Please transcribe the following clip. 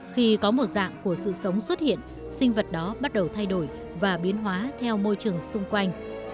khi có một dạng của sự sống xuất hiện sinh vật đó bắt đầu thay đổi và biến hóa theo môi trường xung quanh